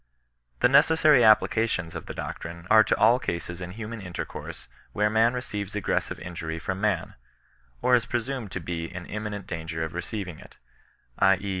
The necessary applications of the doctrine are to all cases in human intercourse where man receives aggres sive injury from man, or is presumed to be in imminent danger of receiving it; L e.